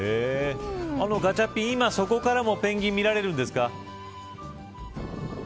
ガチャピン、今そこからもペンギン見られるんですか。